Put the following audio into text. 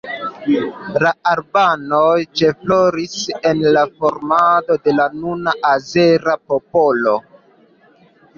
La albanoj ĉefrolis en la formado de la nuna azera popolo.